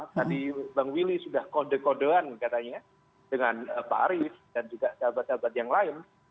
tadi bang willy sudah kode kodean katanya dengan pak arief dan juga sahabat sahabat yang lain